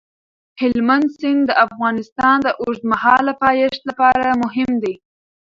هلمند سیند د افغانستان د اوږدمهاله پایښت لپاره مهم دی.